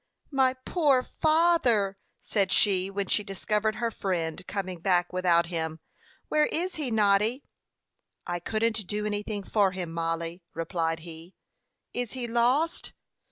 "My poor father!" said she, when she discovered her friend coming back without him. "Where is he, Noddy?" "I couldn't do anything for him, Mollie," replied he. "Is he lost?"